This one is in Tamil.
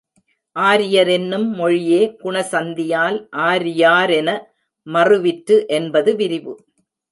ஆரியரென்னும் மொழியே குண சந்தியால் ஆரியாரென மறுவிற்று என்பது விரிவு.